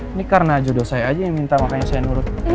ini karena jodoh saya aja yang minta makanya saya nurut